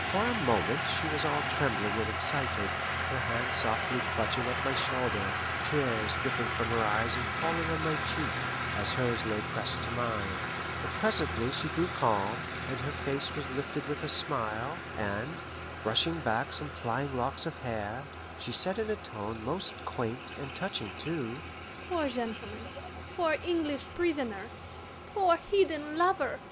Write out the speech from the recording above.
For a moment she was all trembling and excited, her hand softly clutching at my shoulder, tears dripping from her eyes and falling on my cheek, as hers lay pressed to mine; but presently she grew calm, and her face was lifted with a smile, and, brushing back some flying locks of hair, she said in a tone most quaint and touching too, "Poor gentleman! poor English prisoner! poor hidden lover!